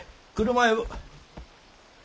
車呼ぶ。